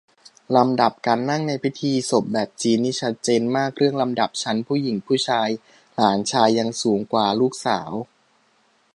ลำดับการนั่งในพิธีศพแบบจีนนี่ชัดเจนมากเรื่องลำดับชั้นผู้หญิงผู้ชาย หลานชายยังสูงกว่าลูกสาว